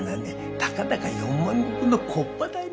たかだか四万石の木っ端大名。